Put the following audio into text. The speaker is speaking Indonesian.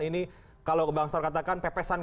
ini kalau bang saur katakan pepesan